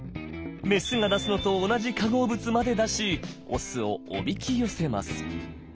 メスが出すのと同じ化合物まで出しオスをおびき寄せます。